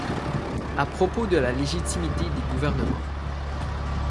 À propos de la légitimité des gouvernements.